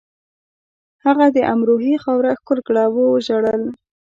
هغه د امروهې خاوره ښکل کړه او وژړل